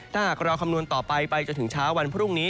ถ้าหากเราคำนวณต่อไปไปจนถึงเช้าวันพรุ่งนี้